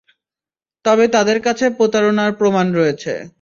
তবে তাদের কাছে প্রতারণার প্রমাণ রয়েছে।